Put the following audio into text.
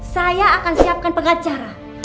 saya akan siapkan pengacara